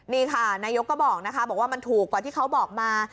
นี่ค่ะนายกก็บอกนะคะบอกว่ามันถูกกว่าที่เขาบอกมา